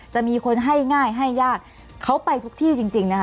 จะมีคนให้ง่ายให้ยากเขาไปทุกที่จริงนะคะ